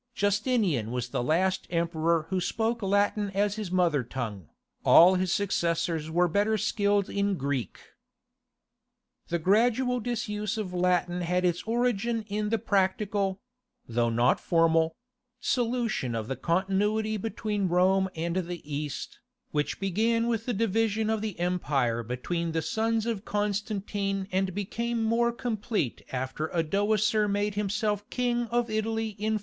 Justinian was the last emperor who spoke Latin as his mother tongue, all his successors were better skilled in Greek. The gradual disuse of Latin has its origin in the practical—though not formal—solution of the continuity between Rome and the East, which began with the division of the empire between the sons of Constantine and became more complete after Odoacer made himself King of Italy in 476.